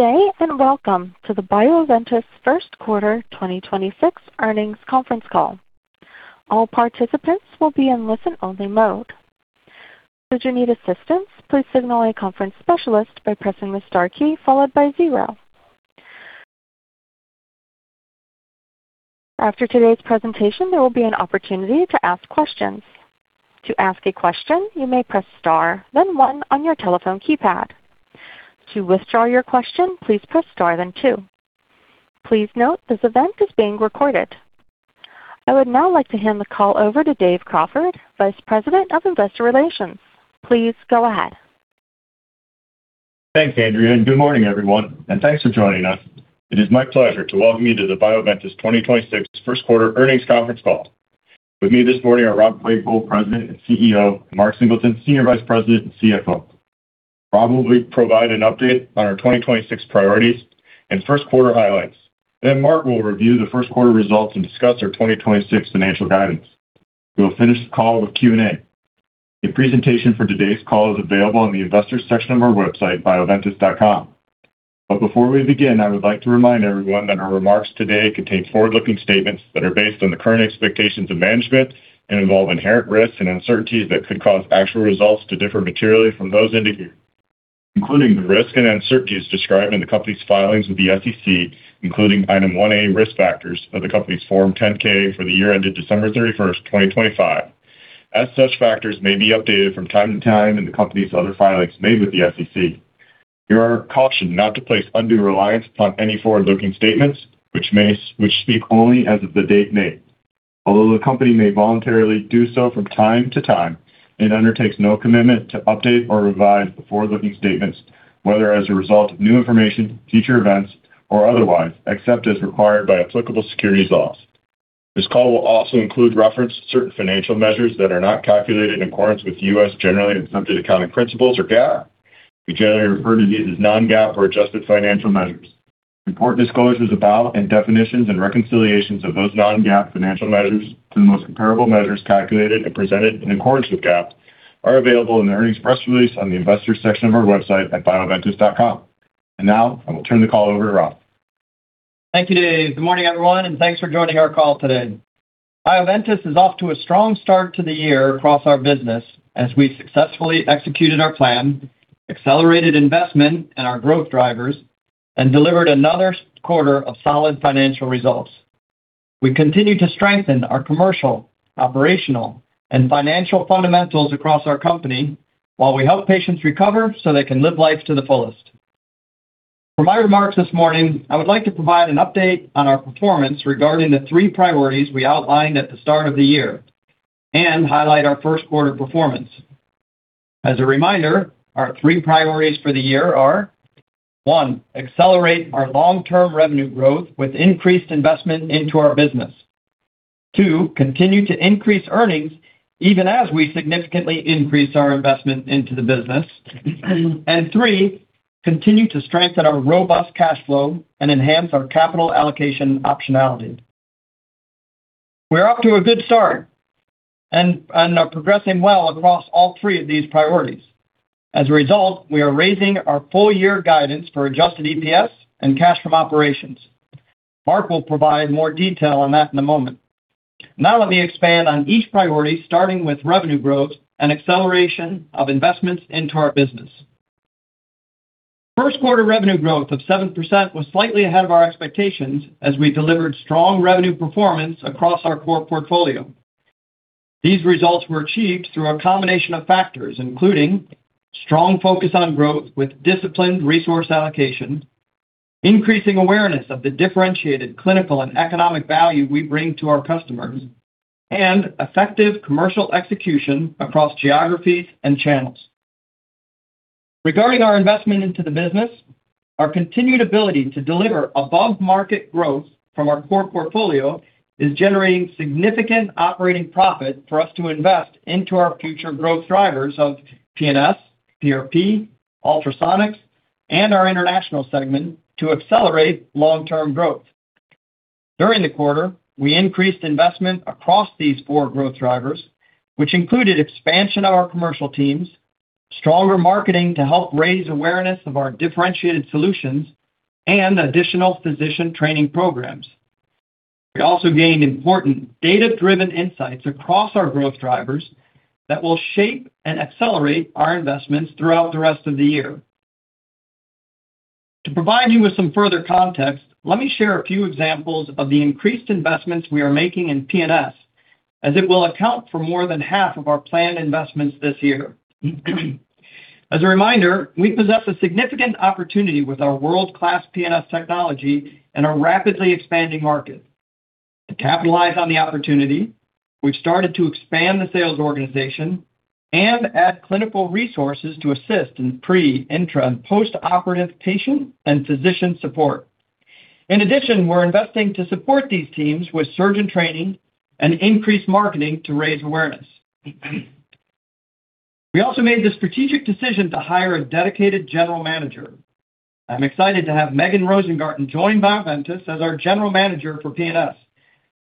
Good day, and welcome to the Bioventus first quarter 2026 earnings conference call. All participants will be in listen-only mode. Should you need assistance, please signal a conference specialist by pressing the star key followed by zero. After today's presentation, there will be an opportunity to ask questions. To ask a question, you may press star then one on your telephone keypad. To withdraw your question, please press star then two. Please note, this event is being recorded. I would now like to hand the call over to Dave Crawford, Vice President of Investor Relations. Please go ahead. Thanks, Andrea, and good morning, everyone, and thanks for joining us. It is my pleasure to welcome you to the Bioventus 2026 first quarter earnings conference call. With me this morning are Rob Claypoole, President and CEO, and Mark Singleton, Senior Vice President and CFO. Rob will provide an update on our 2026 priorities and first quarter highlights. Mark will review the first quarter results and discuss our 2026 financial guidance. We will finish the call with Q&A. A presentation for today's call is available in the investors section of our website, bioventus.com. Before we begin, I would like to remind everyone that our remarks today contain forward-looking statements that are based on the current expectations of management and involve inherent risks and uncertainties that could cause actual results to differ materially from those indicated, including the risks and uncertainties described in the company's filings with the SEC, including Item 1A, Risk Factors, of the company's Form 10-K for the year ended December 31st, 2025. As such factors may be updated from time to time in the company's other filings made with the SEC, you are cautioned not to place undue reliance upon any forward-looking statements which speak only as of the date made. Although the company may voluntarily do so from time to time, it undertakes no commitment to update or revise the forward-looking statements, whether as a result of new information, future events, or otherwise, except as required by applicable securities laws. This call will also include reference to certain financial measures that are not calculated in accordance with U.S. Generally Accepted Accounting Principles or GAAP. We generally refer to these as non-GAAP or adjusted financial measures. Important disclosures about and definitions and reconciliations of those non-GAAP financial measures to the most comparable measures calculated and presented in accordance with GAAP are available in the earnings press release on the investors section of our website at bioventus.com. Now, I will turn the call over to Rob. Thank you, Dave. Good morning, everyone, and thanks for joining our call today. Bioventus is off to a strong start to the year across our business as we successfully executed our plan, accelerated investment in our growth drivers, and delivered another quarter of solid financial results. We continue to strengthen our commercial, operational, and financial fundamentals across our company while we help patients recover so they can live life to the fullest. For my remarks this morning, I would like to provide an update on our performance regarding the three priorities we outlined at the start of the year and highlight our first quarter performance. As a reminder, our three priorities for the year are, one, accelerate our long-term revenue growth with increased investment into our business. Two, continue to increase earnings even as we significantly increase our investment into the business. Three, continue to strengthen our robust cash flow and enhance our capital allocation optionality. We're off to a good start and are progressing well across all three of these priorities. As a result, we are raising our full-year guidance for adjusted EPS and cash from operations. Mark will provide more detail on that in a moment. Let me expand on each priority, starting with revenue growth and acceleration of investments into our business. First quarter revenue growth of 7% was slightly ahead of our expectations as we delivered strong revenue performance across our core portfolio. These results were achieved through a combination of factors, including strong focus on growth with disciplined resource allocation, increasing awareness of the differentiated clinical and economic value we bring to our customers, and effective commercial execution across geographies and channels. Regarding our investment into the business, our continued ability to deliver above-market growth from our core portfolio is generating significant operating profit for us to invest into our future growth drivers of PNS, PRP, Ultrasonics, and our international segment to accelerate long-term growth. During the quarter, we increased investment across these four growth drivers, which included expansion of our commercial teams, stronger marketing to help raise awareness of our differentiated solutions, and additional physician training programs. We also gained important data-driven insights across our growth drivers that will shape and accelerate our investments throughout the rest of the year. To provide you with some further context, let me share a few examples of the increased investments we are making in PNS, as it will account for more than half of our planned investments this year. As a reminder, we possess a significant opportunity with our world-class PNS technology and our rapidly expanding market. To capitalize on the opportunity, we've started to expand the sales organization and add clinical resources to assist in pre, intra, and postoperative patient and physician support. In addition, we're investing to support these teams with surgeon training and increased marketing to raise awareness. We also made the strategic decision to hire a dedicated general manager. I'm excited to have Megan Rosengarten join Bioventus as our general manager for PNS.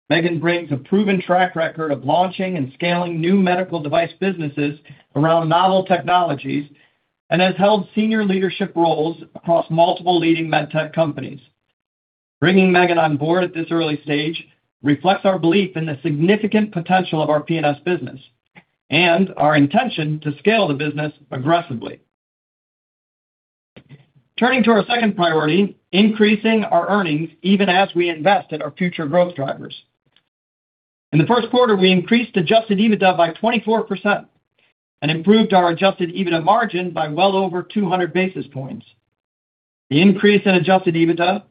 Megan brings a proven track record of launching and scaling new medical device businesses around novel technologies and has held senior leadership roles across multiple leading med tech companies. Bringing Megan on board at this early stage reflects our belief in the significant potential of our PNS business and our intention to scale the business aggressively. Turning to our second priority, increasing our earnings even as we invest in our future growth drivers. In the first quarter, we increased adjusted EBITDA by 24% and improved our adjusted EBITDA margin by well over 200 basis points. The increase in adjusted EBITDA,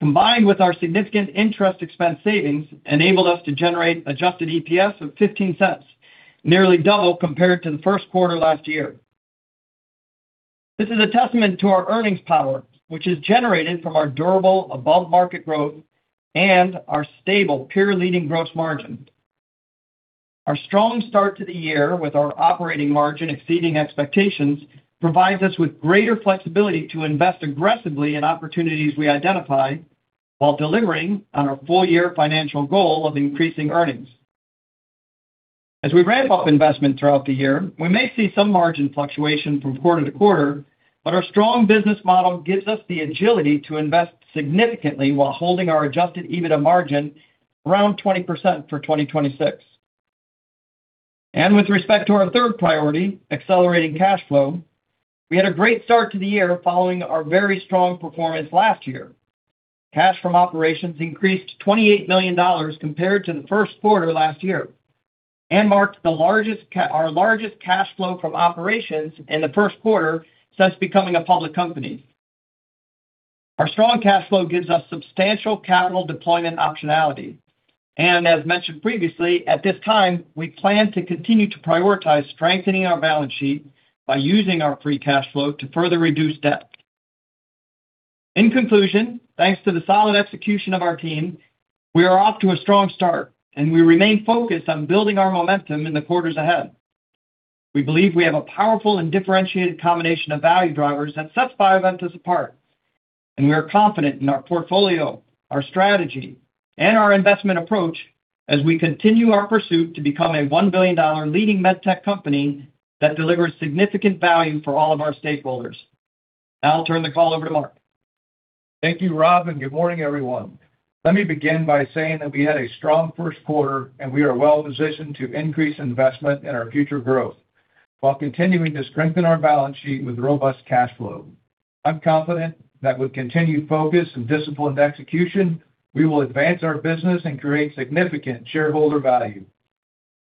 combined with our significant interest expense savings, enabled us to generate adjusted EPS of $0.15, nearly double compared to the first quarter last year. This is a testament to our earnings power, which is generated from our durable above-market growth and our stable peer-leading gross margin. Our strong start to the year with our operating margin exceeding expectations provides us with greater flexibility to invest aggressively in opportunities we identify while delivering on our full-year financial goal of increasing earnings. As we ramp up investment throughout the year, we may see some margin fluctuation from quarter-to-quarter, but our strong business model gives us the agility to invest significantly while holding our adjusted EBITDA margin around 20% for 2026. With respect to our third priority, accelerating cash flow, we had a great start to the year following our very strong performance last year. Cash from operations increased $28 million compared to the first quarter last year and marked our largest cash flow from operations in the first quarter since becoming a public company. Our strong cash flow gives us substantial capital deployment optionality. As mentioned previously, at this time, we plan to continue to prioritize strengthening our balance sheet by using our free cash flow to further reduce debt. In conclusion, thanks to the solid execution of our team, we are off to a strong start, and we remain focused on building our momentum in the quarters ahead. We believe we have a powerful and differentiated combination of value drivers that sets Bioventus apart. We are confident in our portfolio, our strategy, and our investment approach as we continue our pursuit to become a $1 billion leading med tech company that delivers significant value for all of our stakeholders. Now I'll turn the call over to Mark. Thank you, Rob, and good morning, everyone. Let me begin by saying that we had a strong first quarter, and we are well-positioned to increase investment in our future growth while continuing to strengthen our balance sheet with robust cash flow. I'm confident that with continued focus and disciplined execution, we will advance our business and create significant shareholder value.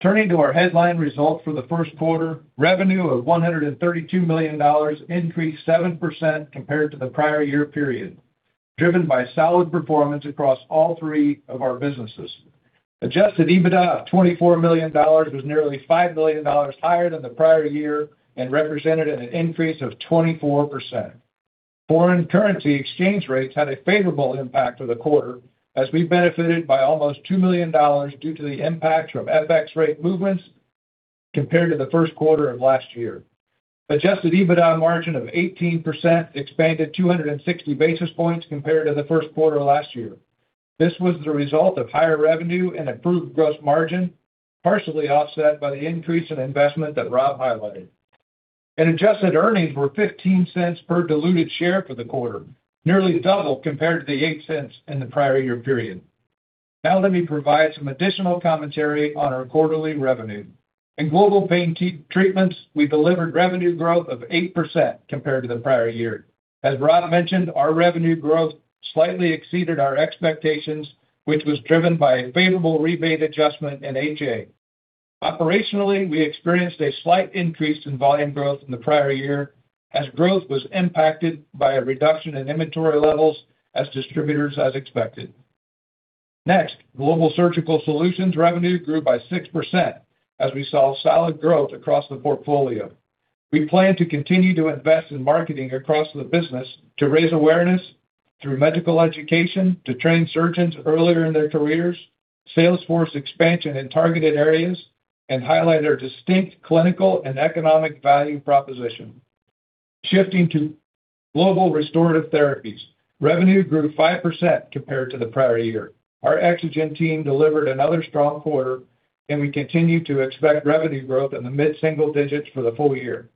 Turning to our headline results for the first quarter, revenue of $132 million increased 7% compared to the prior year period, driven by solid performance across all three of our businesses. Adjusted EBITDA of $24 million was nearly $5 million higher than the prior year and represented an increase of 24%. Foreign currency exchange rates had a favorable impact for the quarter as we benefited by almost $2 million due to the impact from FX rate movements compared to the first quarter of last year. Adjusted EBITDA margin of 18% expanded 260 basis points compared to the first quarter last year. This was the result of higher revenue and improved gross margin, partially offset by the increase in investment that Rob highlighted. Adjusted earnings were $0.15 per diluted share for the quarter, nearly double compared to the $0.08 in the prior year period. Now let me provide some additional commentary on our quarterly revenue. In Global Pain Treatments, we delivered revenue growth of 8% compared to the prior year. As Rob mentioned, our revenue growth slightly exceeded our expectations, which was driven by a favorable rebate adjustment in HA. Operationally, we experienced a slight increase in volume growth in the prior year as growth was impacted by a reduction in inventory levels as distributors as expected. Global Surgical Solutions revenue grew by 6% as we saw solid growth across the portfolio. We plan to continue to invest in marketing across the business to raise awareness through medical education, to train surgeons earlier in their careers, sales force expansion in targeted areas, and highlight our distinct clinical and economic value proposition. Shifting to Global Restorative Therapies, revenue grew 5% compared to the prior year. Our EXOGEN team delivered another strong quarter, and we continue to expect revenue growth in the mid-single-digits for the full-year.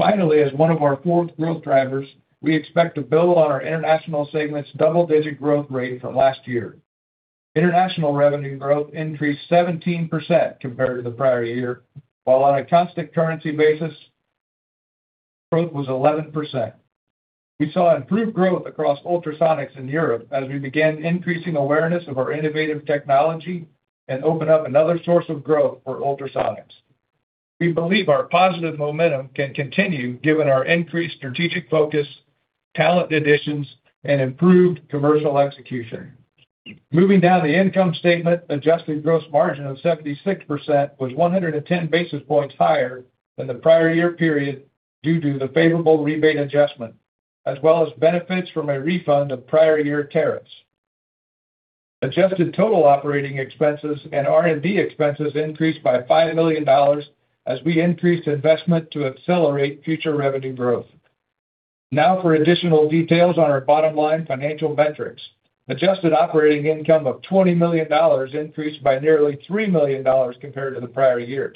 As one of our fourth growth drivers, we expect to build on our international segment's double-digit growth rate from last year. International revenue growth increased 17% compared to the prior year, while on a constant currency basis, growth was 11%. We saw improved growth across Ultrasonics in Europe as we began increasing awareness of our innovative technology and open up another source of growth for Ultrasonics. We believe our positive momentum can continue given our increased strategic focus, talent additions, and improved commercial execution. Moving down the income statement, adjusted gross margin of 76% was 110 basis points higher than the prior year period due to the favorable rebate adjustment, as well as benefits from a refund of prior year tariffs. Adjusted total operating expenses and R&D expenses increased by $5 million as we increased investment to accelerate future revenue growth. Now for additional details on our bottom-line financial metrics. Adjusted operating income of $20 million increased by nearly $3 million compared to the prior year.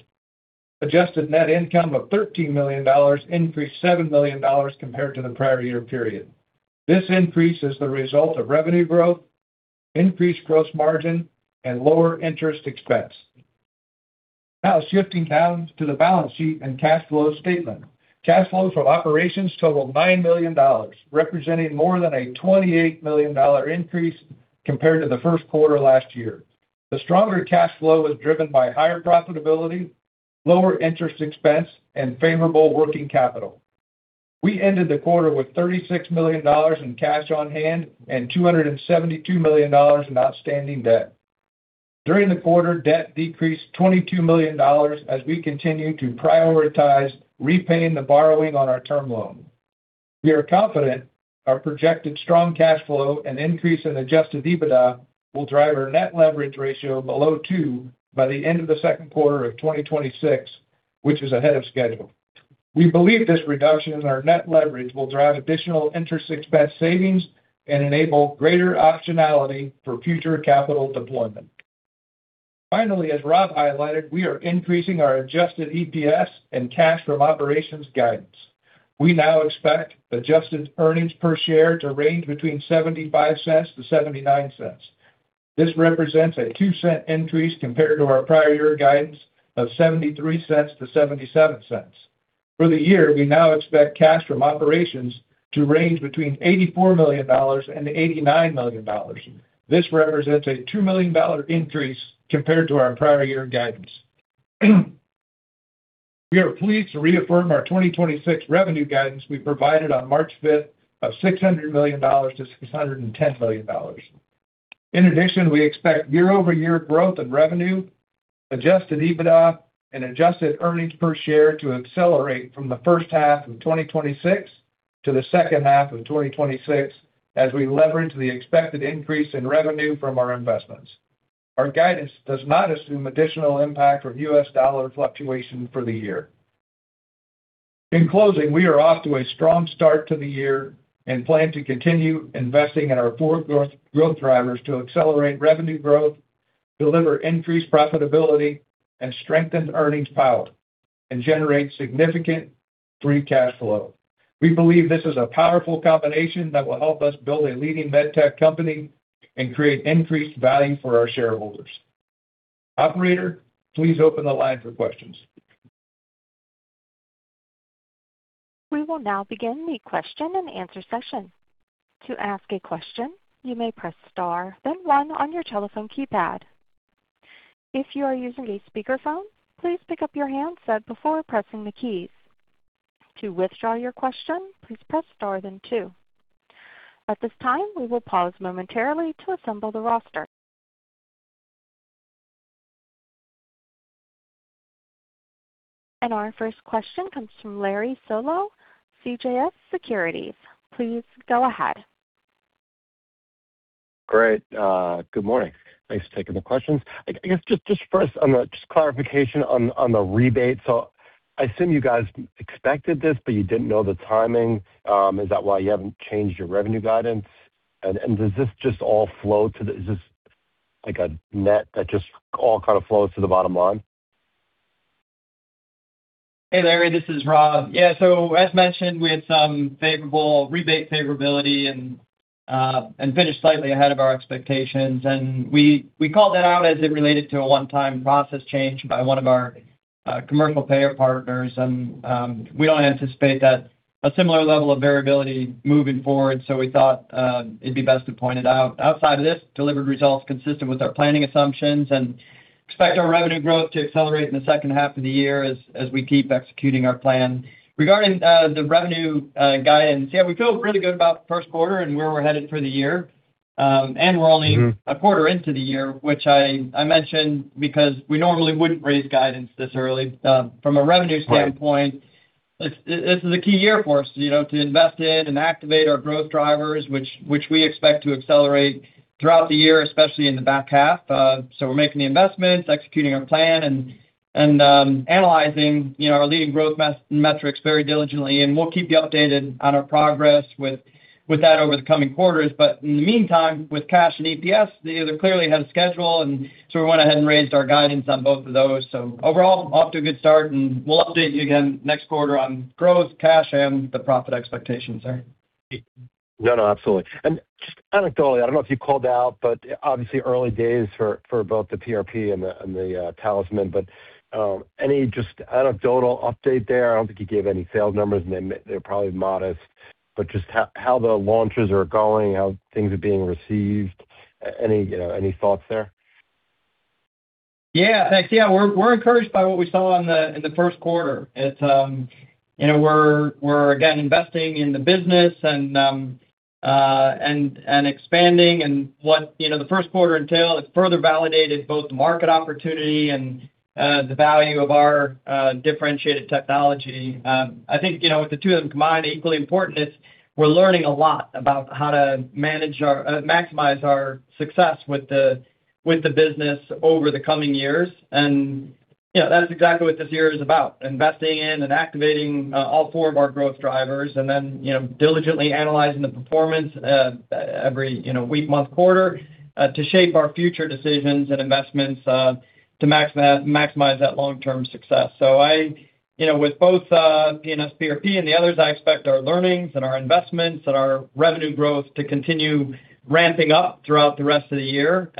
Adjusted net income of $13 million increased $7 million compared to the prior year period. This increase is the result of revenue growth, increased gross margin, and lower interest expense. Now shifting down to the balance sheet and cash flow statement. Cash flow from operations totaled $9 million, representing more than a $28 million increase compared to the first quarter last year. The stronger cash flow was driven by higher profitability, lower interest expense, and favorable working capital. We ended the quarter with $36 million in cash on hand and $272 million in outstanding debt. During the quarter, debt decreased $22 million as we continue to prioritize repaying the borrowing on our term loan. We are confident our projected strong cash flow and increase in Adjusted EBITDA will drive our net leverage ratio below two by the end of the second quarter of 2026, which is ahead of schedule. We believe this reduction in our net leverage will drive additional interest expense savings and enable greater optionality for future capital deployment. Finally, as Rob highlighted, we are increasing our adjusted EPS and cash from operations guidance. We now expect adjusted earnings per share to range between $0.75-$0.79. This represents a $0.02 increase compared to our prior year guidance of $0.73-$0.77. For the year, we now expect cash from operations to range between $84 million and $89 million. This represents a $2 million increase compared to our prior year guidance. We are pleased to reaffirm our 2026 revenue guidance we provided on March 5th of $600 million-$610 million. We expect year-over-year growth in revenue, adjusted EBITDA, and adjusted earnings per share to accelerate from the first half of 2026 to the second half of 2026 as we leverage the expected increase in revenue from our investments. Our guidance does not assume additional impact from U.S. dollar fluctuation for the year. We are off to a strong start to the year and plan to continue investing in our 4 growth drivers to accelerate revenue growth, deliver increased profitability, strengthen earnings power, and generate significant free cash flow. We believe this is a powerful combination that will help us build a leading med tech company and create increased value for our shareholders. Operator, please open the line for questions. We will now begin the question-and-answer session. To ask a question, you may press star then one on your telephone keypad. If you are using a speakerphone, please pick up your handset before pressing the keys. To withdraw your question, please press star then two. At this time, we will pause momentarily to assemble the roster. Our first question comes from Larry Solow, CJS Securities. Please go ahead. Great. Good morning. Thanks for taking the questions. I guess just first clarification on the rebate. I assume you guys expected this, but you didn't know the timing. Is that why you haven't changed your revenue guidance? Does this just all flow to the bottom line? Is this like a net that just all kind of flows to the bottom line? Hey, Larry, this is Rob. As mentioned, we had some rebate favorability and finished slightly ahead of our expectations. We called that out as it related to a one-time process change by one of our commercial payer partners. We don't anticipate that a similar level of variability moving forward, we thought it'd be best to point it out. Outside of this, delivered results consistent with our planning assumptions and expect our revenue growth to accelerate in the second half of the year as we keep executing our plan. Regarding the revenue guidance, we feel really good about the first quarter and where we're headed for the year, a quarter into the year, which I mention because we normally wouldn't raise guidance this early. Right. It's a key year for us, you know, to invest in and activate our growth drivers, which we expect to accelerate throughout the year, especially in the back half. We're making the investments, executing our plan, and analyzing, you know, our leading growth metrics very diligently, and we'll keep you updated on our progress with that over the coming quarters. In the meantime, with cash and EPS, they're clearly ahead of schedule, and so we went ahead and raised our guidance on both of those. Overall, off to a good start, and we'll update you again next quarter on growth, cash, and the profit expectations. No, no, absolutely. Just anecdotally, I don't know if you called out, but obviously early days for both the PRP and the TalisMann. Any just anecdotal update there? I don't think you gave any sales numbers, and they're probably modest. Just how the launches are going, how things are being received, any, you know, any thoughts there? Thanks. We're encouraged by what we saw in the first quarter. It's, you know, we're again investing in the business and expanding. What, you know, the first quarter entailed, it further validated both the market opportunity and the value of our differentiated technology. I think, you know, with the two of them combined, equally important is we're learning a lot about how to maximize our success with the business over the coming years. That's exactly what this year is about, investing in and activating all four of our growth drivers and then, you know, diligently analyzing the performance every, you know, week, month, quarter, to shape our future decisions and investments to maximize that long-term success. You know, with both PNS, PRP, and the others, I expect our learnings and our investments and our revenue growth to continue ramping up throughout the rest of the year.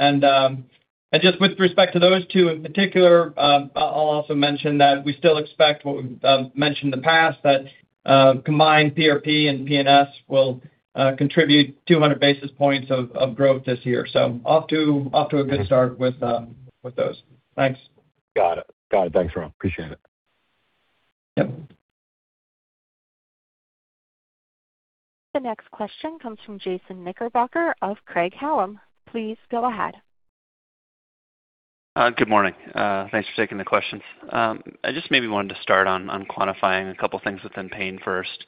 Just with respect to those two in particular, I'll also mention that we still expect what we've mentioned in the past, that combined PRP and PNS will contribute 200 basis points of growth this year. Off to a good start with those. Thanks. Got it. Got it. Thanks, Rob. Appreciate it. Yep. The next question comes from Chase Knickerbocker of Craig-Hallum. Please go ahead. Good morning. Thanks for taking the questions. I just maybe wanted to start on quantifying a couple things within Pain first.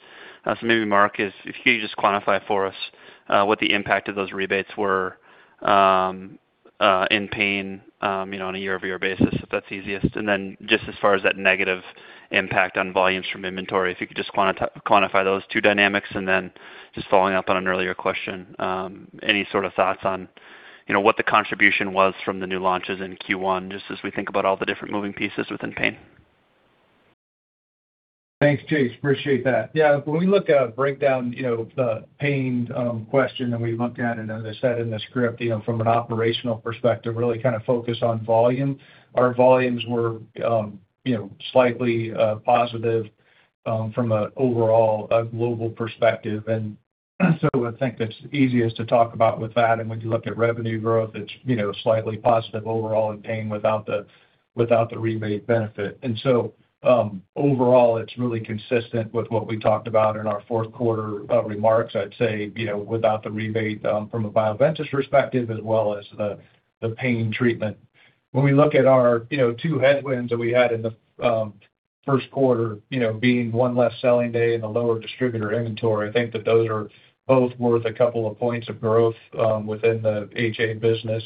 Maybe Mark, if you could just quantify for us what the impact of those rebates were in Pain, you know, on a year-over-year basis, if that's easiest. Then just as far as that negative impact on volumes from inventory, if you could just quantify those two dynamics, and then just following up on an earlier question, any sort of thoughts on, you know, what the contribution was from the new launches in Q1, just as we think about all the different moving pieces within Pain. Thanks, Chase. Appreciate that. Yeah, when we look at a breakdown, you know, the pain question that we looked at and as I said in the script, you know, from an operational perspective, really kind of focus on volume. Our volumes were, you know, slightly positive from an overall, a global perspective. I think that's easiest to talk about with that. When you look at revenue growth, it's, you know, slightly positive overall in Pain Treatments without the, without the rebate benefit. Overall, it's really consistent with what we talked about in our fourth quarter remarks. I'd say, you know, without the rebate from a Bioventus perspective as well as the Pain Treatments. When we look at our, you know, two headwinds that we had in the first quarter, you know, being one less selling day and the lower distributor inventory, I think that those are both worth a couple of points of growth within the HA business.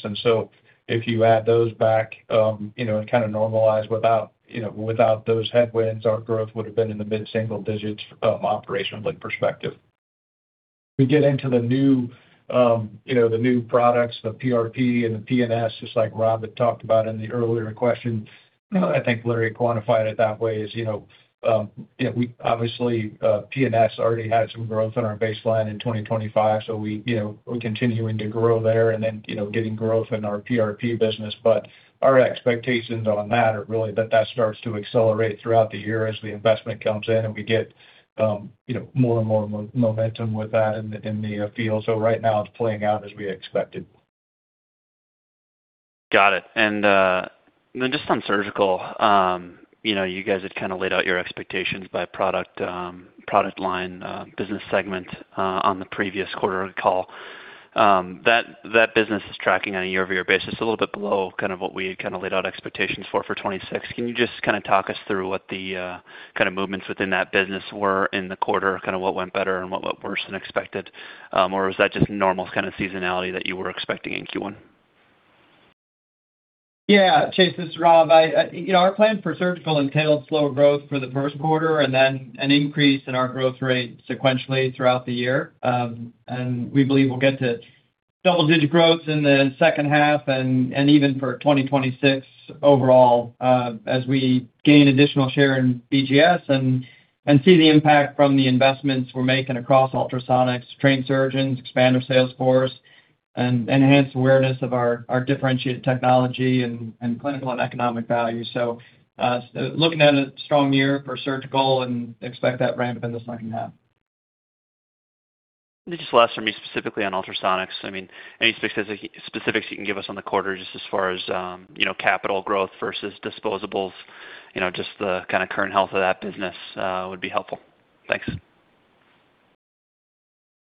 If you add those back, you know, and kind of normalize without, you know, without those headwinds, our growth would've been in the mid-single digits from operational perspective. We get into the new, you know, the new products, the PRP and the PNS, just like Rob had talked about in the earlier question. I think Larry quantified it that way is, you know, you know, we obviously, PNS already had some growth on our baseline in 2025, so we, you know, we're continuing to grow there and then, you know, getting growth in our PRP business. Our expectations on that are really that that starts to accelerate throughout the year as the investment comes in and we get, you know, more and more momentum with that in the field. Right now it's playing out as we expected. Got it. Then just on Surgical, you know, you guys had kind of laid out your expectations by product line, business segment, on the previous quarter call. That business is tracking on a year-over-year basis a little bit below kind of what we had kind of laid out expectations for 2026. Can you just kind of talk us through what the kind of movements within that business were in the quarter, kind of what went better and what went worse than expected? Was that just normal kind of seasonality that you were expecting in Q1? Yeah. Chase, this is Rob. I You know, our plan for Surgical Solutions entails slower growth for the first quarter and then an increase in our growth rate sequentially throughout the year. We believe we'll get to double-digit growth in the second half and even for 2026 overall, as we gain additional share in BGS and see the impact from the investments we're making across Ultrasonics, trained surgeons, expand our sales force, and enhance awareness of our differentiated technology and clinical and economic value. Looking at a strong year for Surgical Solutions and expect that ramp in the second half. Just last from me specifically on Ultrasonics, I mean, any specifics you can give us on the quarter just as far as, you know, capital growth versus disposables, you know, just the kind of current health of that business would be helpful. Thanks.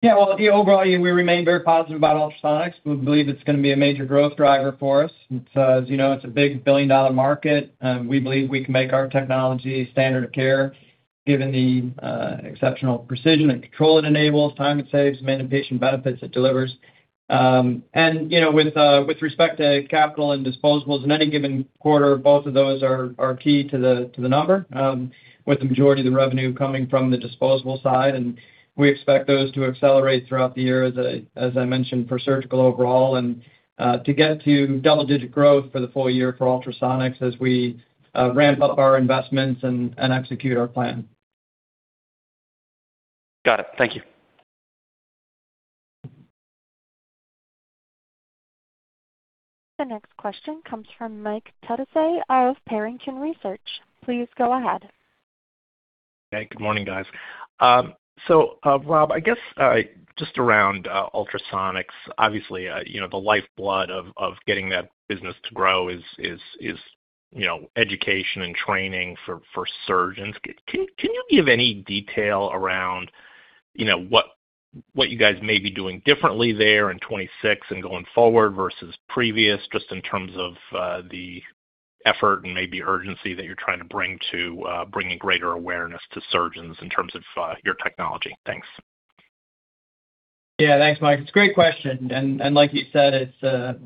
Well, overall, we remain very positive about Ultrasonics. We believe it's going to be a major growth driver for us. It's a big $1 billion market. We believe we can make our technology standard of care given the exceptional precision and control it enables, time it saves, and patient benefits it delivers. With respect to capital and disposables, in any given quarter, both of those are key to the number, with the majority of the revenue coming from the disposable side. We expect those to accelerate throughout the year as I mentioned, for Surgical Solutions overall and to get to double-digit growth for the full-year for Ultrasonics as we ramp up our investments and execute our plan. Got it. Thank you. The next question comes from Mike Petusky of Barrington Research. Please go ahead. Hey, good morning, guys. Rob, I guess, just around Ultrasonics, obviously, you know, the lifeblood of getting that business to grow is, you know, education and training for surgeons. Can you give any detail around, you know, what you guys may be doing differently there in 2026 and going forward versus previous, just in terms of the effort and maybe urgency that you're trying to bring to bringing greater awareness to surgeons in terms of your technology? Thanks. Thanks, Mike. It's a great question. Like you said, it's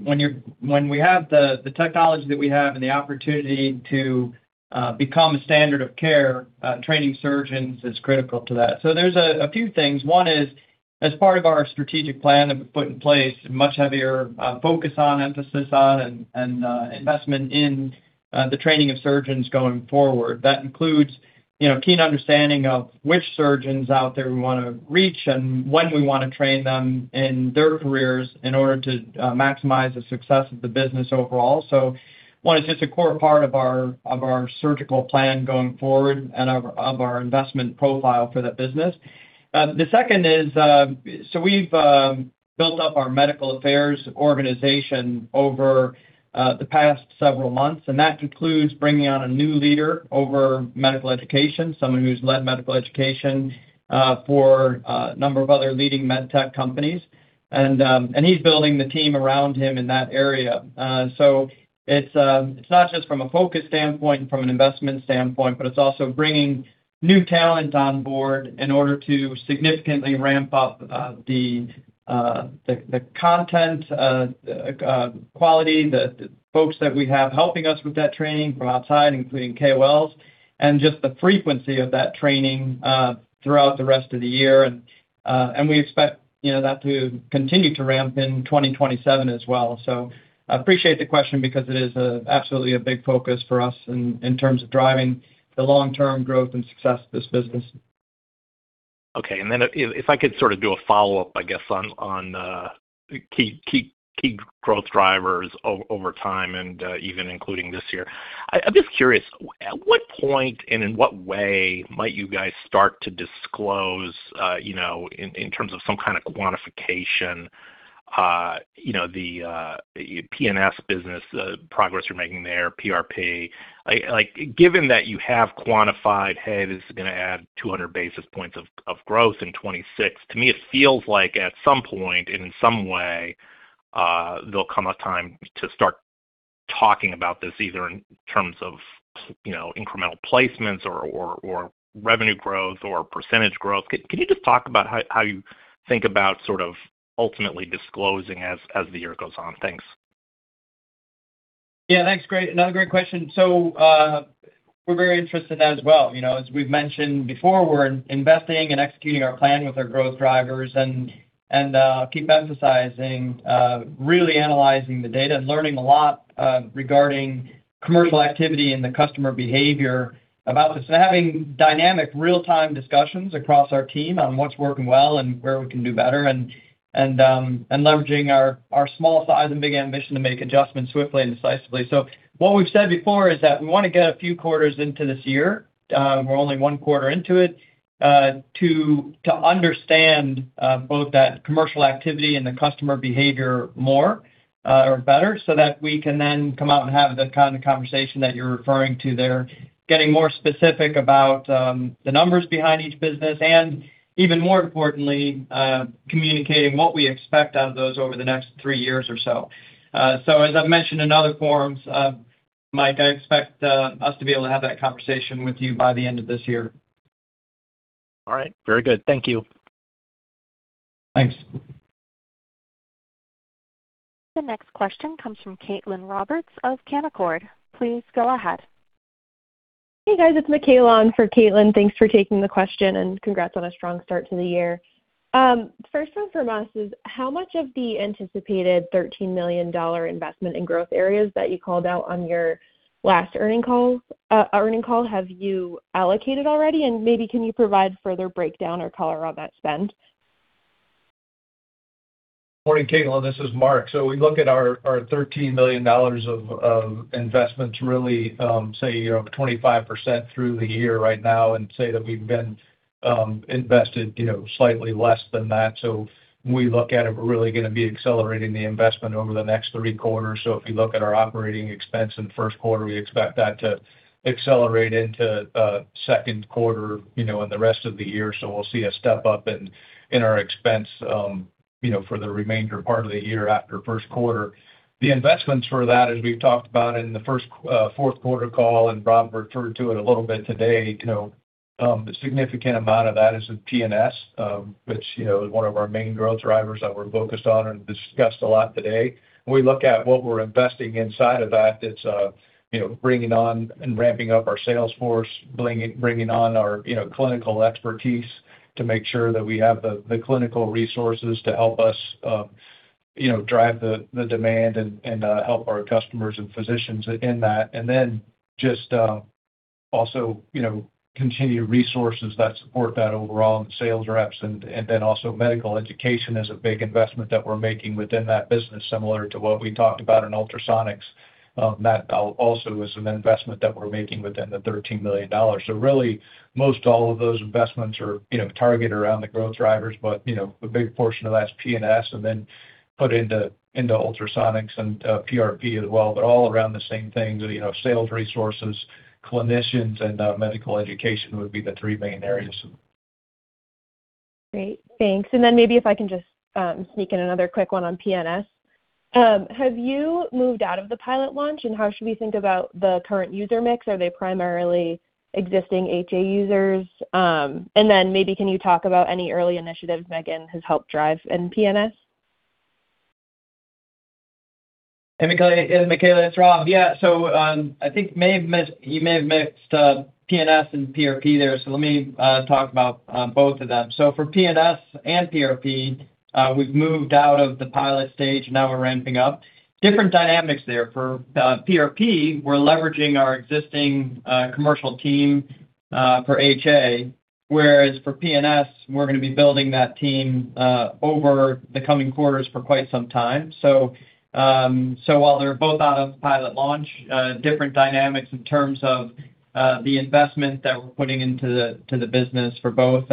when we have the technology that we have and the opportunity to become a standard of care, training surgeons is critical to that. There's a few things. One is, as part of our strategic plan that we put in place, a much heavier focus on, emphasis on, and investment in the training of surgeons going forward. That includes, you know, keen understanding of which surgeons out there we wanna reach and when we wanna train them in their careers in order to maximize the success of the business overall. One, it's just a core part of our surgical plan going forward and of our investment profile for that business. The second is, we've built up our medical affairs organization over the past several months, and that includes bringing on a new leader over medical education, someone who's led medical education for a number of other leading med tech companies. He's building the team around him in that area. It's not just from a focus standpoint and from an investment standpoint, but it's also bringing new talent on board in order to significantly ramp up the content quality, the folks that we have helping us with that training from outside, including KOLs, and just the frequency of that training throughout the rest of the year. We expect, you know, that to continue to ramp in 2027 as well. I appreciate the question because it is absolutely a big focus for us in terms of driving the long-term growth and success of this business. Okay. Then if I could sort of do a follow-up, I guess, on key growth drivers over time and even including this year. I'm just curious, at what point and in what way might you guys start to disclose, you know, in terms of some kind of quantification, you know, the PNS business, the progress you're making there, PRP? Like, given that you have quantified, hey, this is gonna add 200 basis points of growth in 2026, to me, it feels like at some point and in some way, there'll come a time to start talking about this, either in terms of, you know, incremental placements or revenue growth or percentage growth. Can you just talk about how you think about sort of ultimately disclosing as the year goes on? Thanks. Yeah. Thanks. Great. Another great question. We're very interested in that as well. You know, as we've mentioned before, we're investing and executing our plan with our growth drivers and keep emphasizing really analyzing the data and learning a lot regarding commercial activity and the customer behavior about this. Having dynamic real-time discussions across our team on what's working well and where we can do better and leveraging our small size and big ambition to make adjustments swiftly and decisively. What we've said before is that we wanna get a few quarters into this year, we're only one quarter into it, to understand both that commercial activity and the customer behavior more or better so that we can then come out and have the kind of conversation that you're referring to there. Getting more specific about the numbers behind each business, and even more importantly, communicating what we expect out of those over the next three years or so. As I've mentioned in other forums, Mike, I expect us to be able to have that conversation with you by the end of this year. All right. Very good. Thank you. Thanks. The next question comes from Caitlin Roberts of Canaccord. Please go ahead. Hey, guys. It's Michaela for Caitlin. Thanks for taking the question and congrats on a strong start to the year. First one from us is how much of the anticipated $13 million investment in growth areas that you called out on your last earnings call have you allocated already? Maybe can you provide further breakdown or color on that spend? Morning, Michaela. This is Mark. We look at our $13 million of investments really, say, you know, 25% through the year right now and say that we've been, you know, invested slightly less than that. When we look at it, we're really going to be accelerating the investment over the next three quarters. If you look at our operating expense in the first quarter, we expect that to accelerate into second quarter, you know, and the rest of the year. We'll see a step up in our expense, you know, for the remainder part of the year after first quarter. The investments for that, as we've talked about in the first, fourth quarter call, and Rob referred to it a little bit today, you know, a significant amount of that is in PNS, which, you know, is one of our main growth drivers that we're focused on and discussed a lot today. When we look at what we're investing inside of that, it's, you know, bringing on and ramping up our sales force, bringing on our, you know, clinical expertise to make sure that we have the clinical resources to help us, you know, drive the demand and help our customers and physicians in that. Just, you know, continue resources that support that overall, and the sales reps and then also medical education is a big investment that we're making within that business, similar to what we talked about in Ultrasonics. That also is an investment that we're making within the $13 million. Really, most all of those investments are, you know, targeted around the growth drivers, but, you know, a big portion of that's PNS and then put into Ultrasonics and PRP as well. All around the same things, you know, sales resources, clinicians, and medical education would be the three main areas. Great. Thanks. Maybe if I can just sneak in another quick one on PNS. Have you moved out of the pilot launch, and how should we think about the current user mix? Are they primarily existing HA users? Maybe can you talk about any early initiatives Megan has helped drive in PNS? Hey, Michaela. Michaela, it's Rob. I think you may have mixed PNS and PRP there, let me talk about both of them. For PNS and PRP, we've moved out of the pilot stage. Now we're ramping up. Different dynamics there. For PRP, we're leveraging our existing commercial team for HA, whereas for PNS, we're gonna be building that team over the coming quarters for quite some time. While they're both out of pilot launch, different dynamics in terms of the investment that we're putting into the, to the business for both.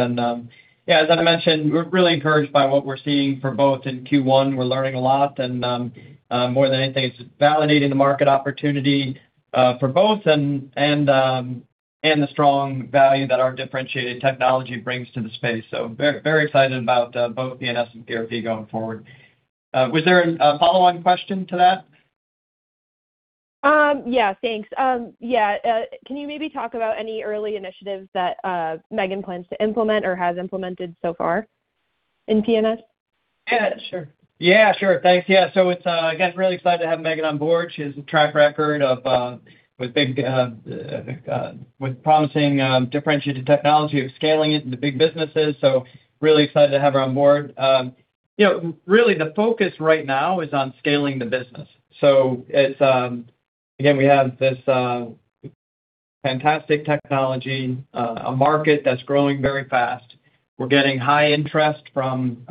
As I mentioned, we're really encouraged by what we're seeing for both. In Q1, we're learning a lot and more than anything, it's just validating the market opportunity for both and the strong value that our differentiated technology brings to the space. Very excited about both PNS and PRP going forward. Was there a follow-on question to that? Yeah. Thanks. Yeah. Can you maybe talk about any early initiatives that Megan plans to implement or has implemented so far in PNS? Yeah, sure. Yeah, sure. Thanks. Yeah. It's again, really excited to have Megan on board. She has a track record of with big with promising differentiated technology of scaling it into big businesses, so really excited to have her on board. You know, really the focus right now is on scaling the business. It's again, we have this fantastic technology, a market that's growing very fast. We're getting high interest from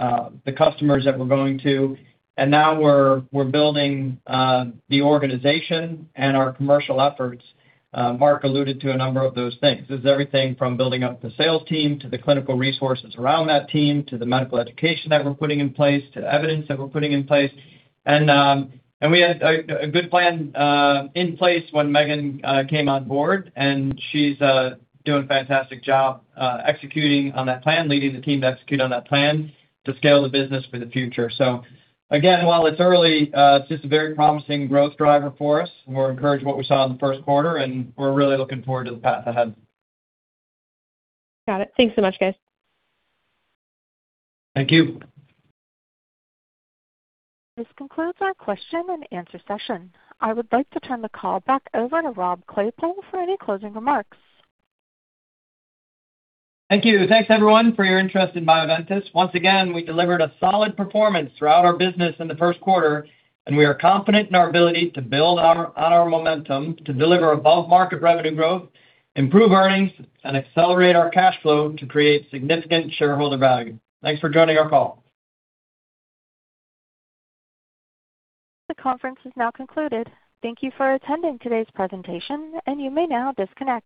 the customers that we're going to, and now we're building the organization and our commercial efforts. Mark alluded to a number of those things. This is everything from building up the sales team, to the clinical resources around that team, to the medical education that we're putting in place, to the evidence that we're putting in place. We had a good plan in place when Megan came on board, and she's doing a fantastic job executing on that plan, leading the team to execute on that plan to scale the business for the future. Again, while it's early, it's just a very promising growth driver for us, and we're encouraged what we saw in the first quarter, and we're really looking forward to the path ahead. Got it. Thanks so much, guys. Thank you. This concludes our question and answer session. I would like to turn the call back over to Rob Claypoole for any closing remarks. Thank you. Thanks, everyone, for your interest in Bioventus. Once again, we delivered a solid performance throughout our business in the first quarter, and we are confident in our ability to build on our momentum to deliver above-market revenue growth, improve earnings, and accelerate our cash flow to create significant shareholder value. Thanks for joining our call. The conference is now concluded. Thank you for attending today's presentation, and you may now disconnect.